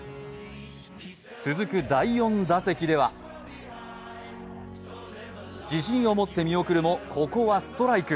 続く第４打席では自信を持って見送るもここはストライク。